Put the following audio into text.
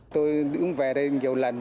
tôi đứng về đây nhiều lần